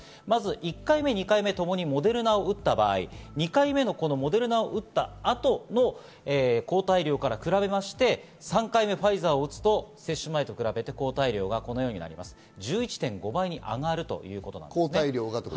まず１回目、２回目ともにモデルナを打った場合、２回目のモデルナを打った後も抗体量から比べまして、３回目にファイザーを打つと、接種前と比べて抗体量は１１．５倍に上がるということです。